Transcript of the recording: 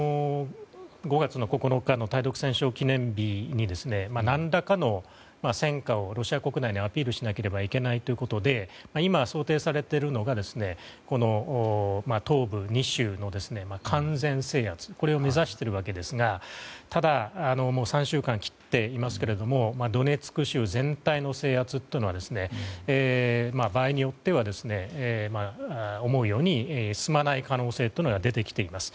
５月９日の対独戦勝記念日に何らかの戦果をロシア国内にアピールしなければいけないということで今、想定されているのが東部２州の完全制圧を目指しているわけですがただ、もう３週間を切っていますがドネツク州全体の制圧というのは場合によっては思うように進まない可能性が出てきています。